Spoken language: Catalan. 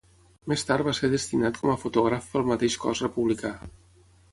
Més tard va ser destinat com a fotògraf pel mateix cos republicà.